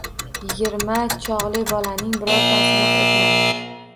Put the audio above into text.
Yigirma chog‘li bolaning birortasi miq etmadi.